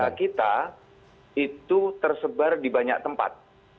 karena kita itu tersebar di banyak tempat